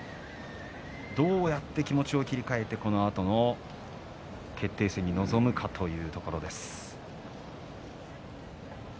どうやって気持ちを切り替えて、このあとの決定戦に臨むかというところです。